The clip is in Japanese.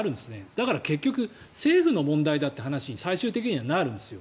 だから結局政府の問題だって話に最終的にはなるんです。